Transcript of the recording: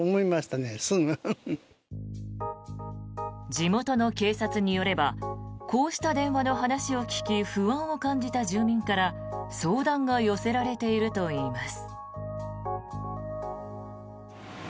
地元の警察によればこうした電話の話を聞き不安を感じた住民から、相談が寄せられているといいます。